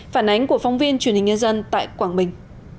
phản ánh của phóng viên truyền hình nhân dân tại quảng bình